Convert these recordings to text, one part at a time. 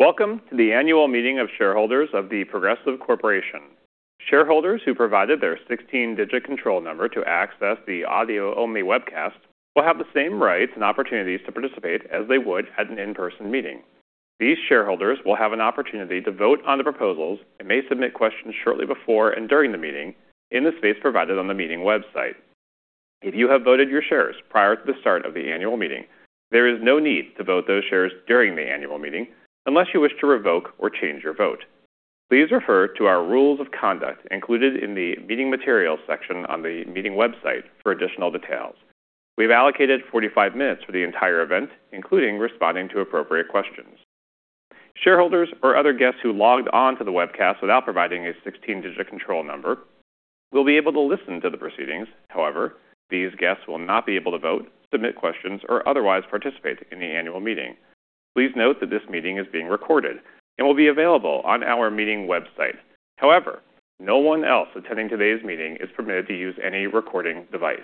Welcome to the annual meeting of shareholders of The Progressive Corporation. Shareholders who provided their 16-digit control number to access the audio-only webcast will have the same rights and opportunities to participate as they would at an in-person meeting. These shareholders will have an opportunity to vote on the proposals and may submit questions shortly before and during the meeting in the space provided on the meeting website. If you have voted your shares prior to the start of the annual meeting, there is no need to vote those shares during the annual meeting unless you wish to revoke or change your vote. Please refer to our rules of conduct included in the Meeting Materials section on the meeting website for additional details. We've allocated 45 minutes for the entire event, including responding to appropriate questions. Shareholders or other guests who logged on to the webcast without providing a 16-digit control number will be able to listen to the proceedings. However, these guests will not be able to vote, submit questions, or otherwise participate in the annual meeting. Please note that this meeting is being recorded and will be available on our meeting website. However, no one else attending today's meeting is permitted to use any recording device.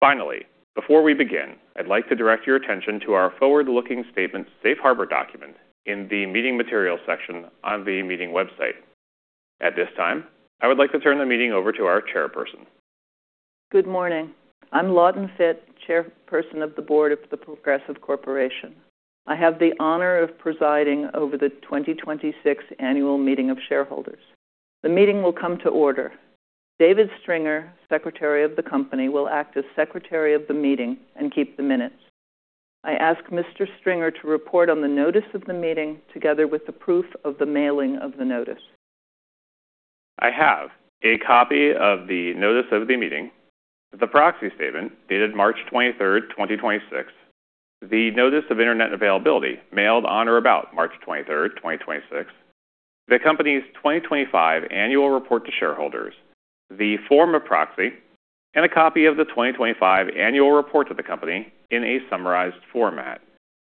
Finally, before we begin, I'd like to direct your attention to our Forward-Looking Statements Safe Harbor document in the Meeting Materials section on the meeting website. At this time, I would like to turn the meeting over to our chairperson. Good morning. I'm Lawton Fitt, Chairperson of the Board of The Progressive Corporation. I have the honor of presiding over the 2026 Annual Meeting of Shareholders. The meeting will come to order. David Stringer, Secretary of the company, will act as Secretary of the meeting and keep the minutes. I ask Mr. Stringer to report on the notice of the meeting together with the proof of the mailing of the notice. I have a copy of the notice of the meeting, the proxy statement dated March 23rd, 2026, the notice of internet availability mailed on or about March 23rd, 2026, the company's 2025 Annual Report to Shareholders, the form of proxy, and a copy of the 2025 Annual Report to the company in a summarized format.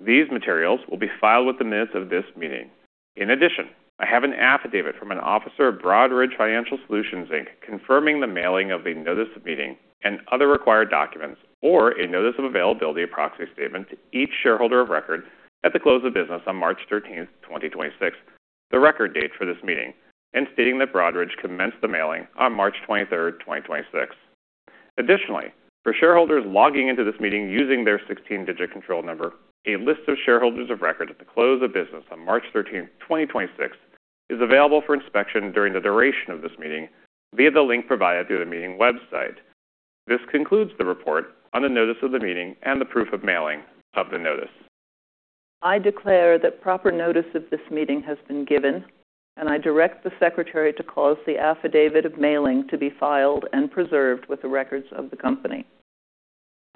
These materials will be filed with the minutes of this meeting. In addition, I have an affidavit from an officer of Broadridge Financial Solutions, Inc, confirming the mailing of the notice of meeting and other required documents or a notice of availability of proxy statement to each shareholder of record at the close of business on March 13th, 2026, the record date for this meeting, and stating that Broadridge commenced the mailing on March 23rd, 2026. Additionally, for shareholders logging into this meeting using their 16-digit control number, a list of shareholders of record at the close of business on March 13th, 2026 is available for inspection during the duration of this meeting via the link provided through the meeting website. This concludes the report on the notice of the meeting and the proof of mailing of the notice. I declare that proper notice of this meeting has been given, and I direct the secretary to cause the affidavit of mailing to be filed and preserved with the records of the company.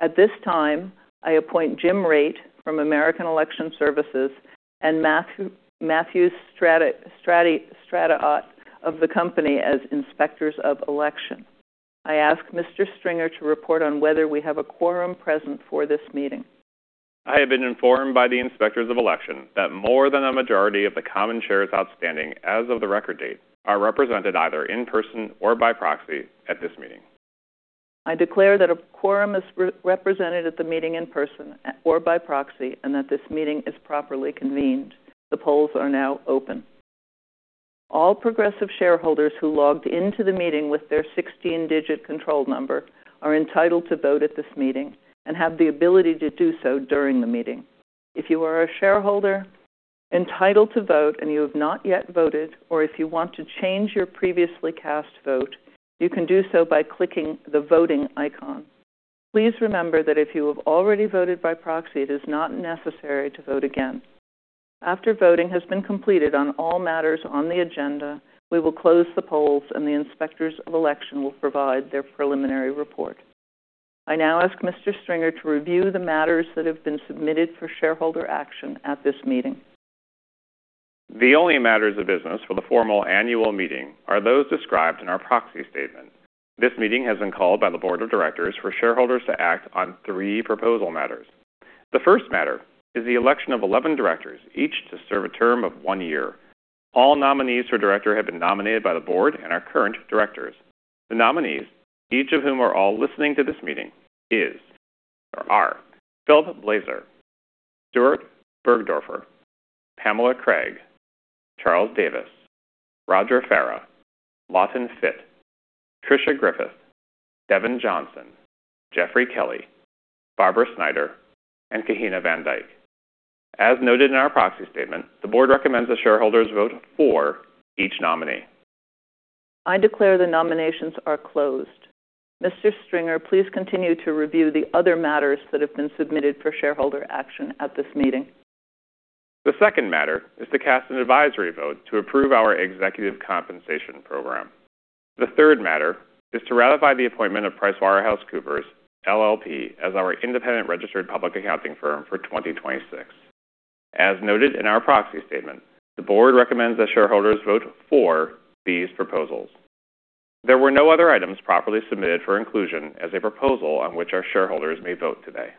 At this time, I appoint Jim Raitt from American Election Services and Matthew Stradiot of the company as Inspectors of Election. I ask Mr. Stringer to report on whether we have a quorum present for this meeting. I have been informed by the Inspectors of Election that more than a majority of the common shares outstanding as of the record date are represented either in person or by proxy at this meeting. I declare that a quorum is represented at the meeting in person or by proxy and that this meeting is properly convened. The polls are now open. All Progressive shareholders who logged into the meeting with their 16-digit control number are entitled to vote at this meeting and have the ability to do so during the meeting. If you are a shareholder entitled to vote and you have not yet voted, or if you want to change your previously cast vote, you can do so by clicking the Voting icon. Please remember that if you have already voted by proxy, it is not necessary to vote again. After voting has been completed on all matters on the agenda, we will close the polls, and the Inspectors of Election will provide their preliminary report. I now ask Mr. Stringer to review the matters that have been submitted for shareholder action at this meeting. The only matters of business for the formal annual meeting are those described in our proxy statement. This meeting has been called by the board of directors for shareholders to act on three proposal matters. The first matter is the election of 11 directors, each to serve a term of one year. All nominees for director have been nominated by the board and are current directors. The nominees, each of whom are all listening to this meeting, is are Philip Bleser, Stuart Burgdoerfer, Pamela Craig, Charles Davis, Roger Farah, Lawton Fitt, Tricia Griffith, Devin Johnson, Jeffrey Kelly, Barbara Snyder, and Kahina Van Dyke. As noted in our proxy statement, the board recommends the shareholders vote for each nominee. I declare the nominations are closed. Mr. Stringer, please continue to review the other matters that have been submitted for shareholder action at this meeting. The second matter is to cast an advisory vote to approve our executive compensation program. The third matter is to ratify the appointment of PricewaterhouseCoopers LLP, as our independent registered public accounting firm for 2026. As noted in our proxy statement, the board recommends that shareholders vote for these proposals. There were no other items properly submitted for inclusion as a proposal on which our shareholders may vote today.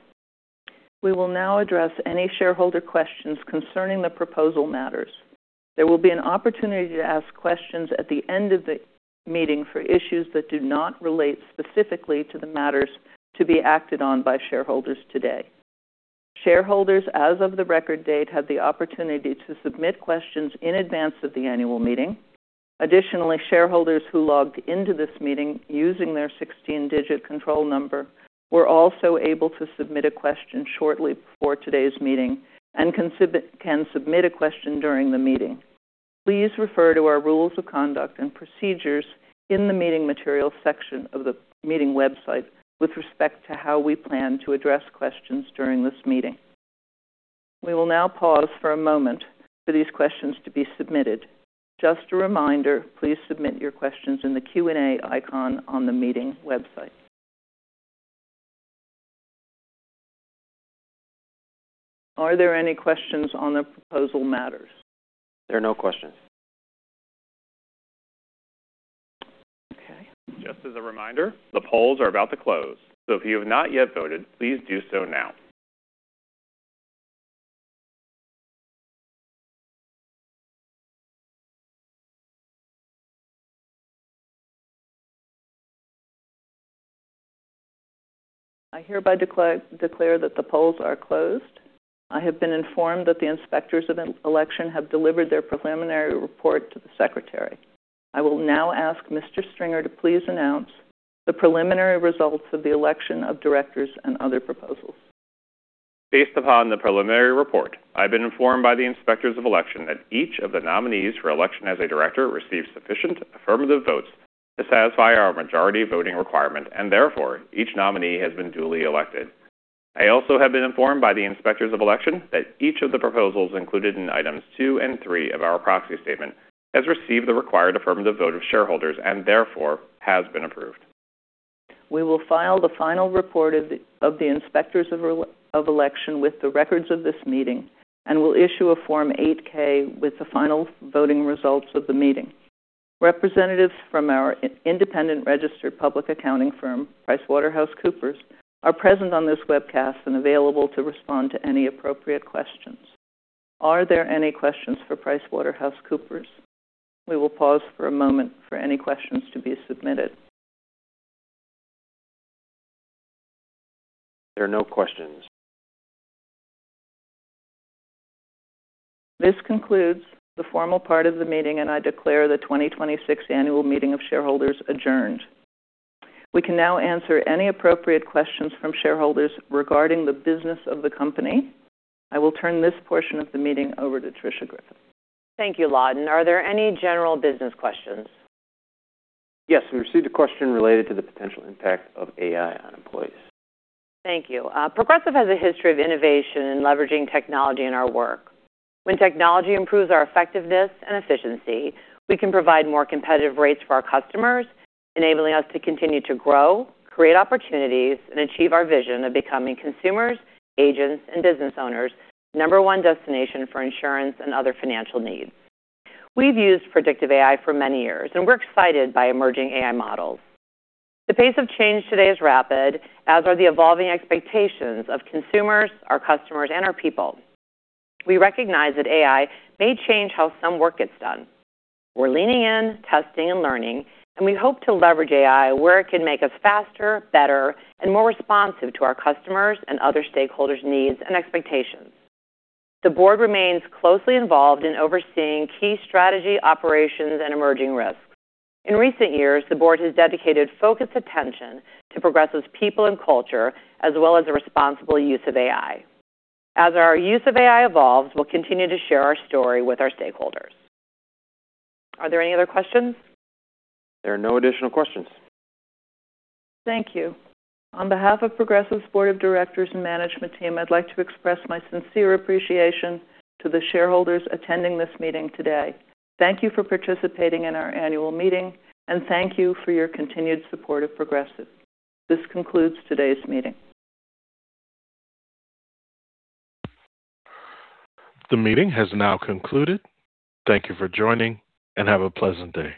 We will now address any shareholder questions concerning the proposal matters. There will be an opportunity to ask questions at the end of the meeting for issues that do not relate specifically to the matters to be acted on by shareholders today. Shareholders, as of the record date, had the opportunity to submit questions in advance of the annual meeting. Additionally, shareholders who logged into this meeting using their 16-digit control number were also able to submit a question shortly before today's meeting and can submit a question during the meeting. Please refer to our rules of conduct and procedures in the meeting materials section of the meeting website with respect to how we plan to address questions during this meeting. We will now pause for a moment for these questions to be submitted. Just a reminder, please submit your questions in the Q&A icon on the meeting website. Are there any questions on the proposal matters? There are no questions. Okay. Just as a reminder, the polls are about to close, so if you have not yet voted, please do so now. I hereby declare that the polls are closed. I have been informed that the Inspectors of an Election have delivered their preliminary report to the secretary. I will now ask Mr. Stringer to please announce the preliminary results of the election of directors and other proposals. Based upon the preliminary report, I've been informed by the Inspectors of Election that each of the nominees for election as a director received sufficient affirmative votes to satisfy our majority voting requirement, and therefore, each nominee has been duly elected. I also have been informed by the Inspectors of Election that each of the proposals included in items two and three of our proxy statement has received the required affirmative vote of shareholders and therefore has been approved. We will file the final report of the Inspectors of Election with the records of this meeting and will issue a Form 8-K with the final voting results of the meeting. Representatives from our independent registered public accounting firm, PricewaterhouseCoopers, are present on this webcast and available to respond to any appropriate questions. Are there any questions for PricewaterhouseCoopers? We will pause for a moment for any questions to be submitted. There are no questions. This concludes the formal part of the meeting, and I declare the 2026 Annual Meeting of Shareholders adjourned. We can now answer any appropriate questions from shareholders regarding the business of the company. I will turn this portion of the meeting over to Tricia Griffith. Thank you, Lawton. Are there any general business questions? We received a question related to the potential impact of AI on employees. Thank you. Progressive has a history of innovation and leveraging technology in our work. When technology improves our effectiveness and efficiency, we can provide more competitive rates for our customers, enabling us to continue to grow, create opportunities, and achieve our vision of becoming consumers, agents, and business owners' number one destination for insurance and other financial needs. We've used predictive AI for many years, and we're excited by emerging AI models. The pace of change today is rapid, as are the evolving expectations of consumers, our customers, and our people. We recognize that AI may change how some work gets done. We're leaning in, testing, and learning, and we hope to leverage AI where it can make us faster, better, and more responsive to our customers' and other stakeholders' needs and expectations. The board remains closely involved in overseeing key strategy, operations, and emerging risks. In recent years, the board has dedicated focused attention to Progressive's people and culture, as well as the responsible use of AI. As our use of AI evolves, we'll continue to share our story with our stakeholders. Are there any other questions? There are no additional questions. Thank you. On behalf of Progressive's board of directors and management team, I'd like to express my sincere appreciation to the shareholders attending this meeting today. Thank you for participating in our annual meeting, and thank you for your continued support of Progressive. This concludes today's meeting. The meeting has now concluded. Thank you for joining, and have a pleasant day.